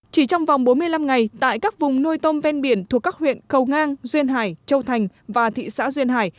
chỉ trong vòng bốn mươi năm ngày tại các vùng nuôi tôm ven biển thuộc các huyện cầu ngang duyên hải châu thành và thị xã duyên hải